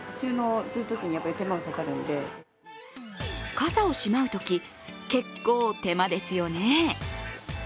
傘をしまうとき、結構、手間ですよね。